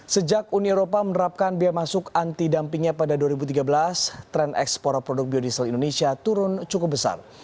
sejak uni eropa menerapkan biaya masuk anti dumpingnya pada dua ribu tiga belas tren ekspor produk biodiesel indonesia turun cukup besar